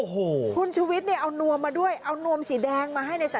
โห้ท่อโพงนี่ตรงไหนนี่ไกลเลยนะฮะ